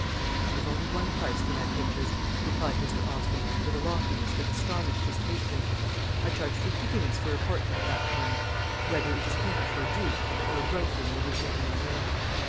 "I have only one price for my pictures," replied Mr. Austin, with a loftiness that astonished his patron. "I charge fifty guineas for a portrait of that kind whether it is painted for a duke or a grocer in the Rue St. Honoré."